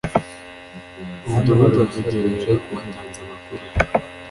umudugudu wa rugerero watanze amakuru